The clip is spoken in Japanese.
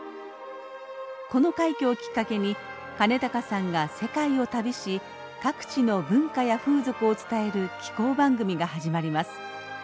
この快挙をきっかけに兼高さんが世界を旅し各地の文化や風俗を伝える紀行番組が始まります。